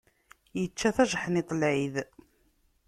Ičča tajeḥniḍt n lɛid.